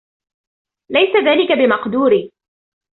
ليس ذلك بمقدوري.